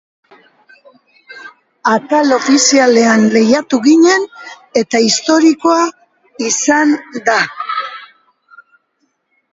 Atal ofizialean lehiatu ginen eta historikoa izan da.